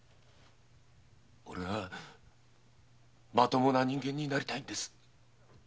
オレはまともな人間になりたいんです。